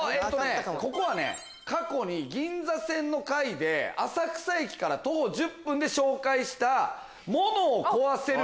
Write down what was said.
ここは過去に銀座線の回で浅草駅から徒歩１０分で紹介した。